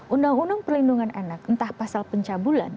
undang undang perlindungan anak entah pasal pencabulan